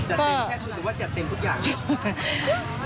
จะเต็มแค่ชุดหรือว่าจัดเต็มทุกอย่าง